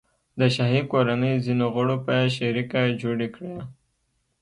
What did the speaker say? د شاهي کورنۍ ځینو غړو په شریکه جوړې کړي.